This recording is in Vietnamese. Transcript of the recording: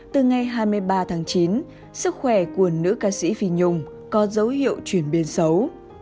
từ ngày hai mươi ba tháng chín sức khỏe của nữ ca sĩ phi nhung có dấu hiệu chuyển biến xấu